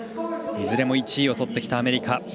いずれも１位をとってきたアメリカ。